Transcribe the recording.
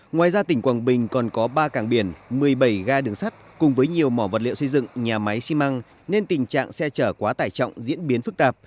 ngoài ra tỉnh quảng bình còn có ba cảng biển một mươi bảy ga đường sắt cùng với nhiều mỏ vật liệu xây dựng nhà máy xi măng nên tình trạng xe chở quá tải trọng diễn biến phức tạp